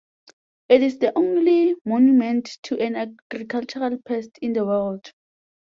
It is the only monument to an agricultural pest in the world.